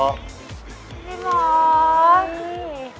พี่มอร์ค